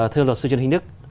thưa luật sư trần hình đức